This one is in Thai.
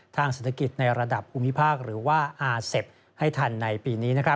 ทางเศรษฐกิจในระดับอุมพิภาคในปีนี้